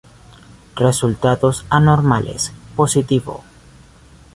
Resultados anormales: positivo.